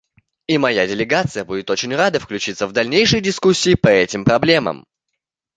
И моя делегация будет очень рада включиться в дальнейшие дискуссии по этим проблемам.